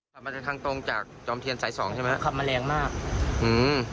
ขับมาทางตรงจากจอมเทียนไซส์สองใช่ไหมครับขับมาแรงมากอืม